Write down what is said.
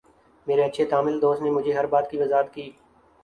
میرے اچھے تامل دوست نے مجھے ہر بات کی وضاحت کی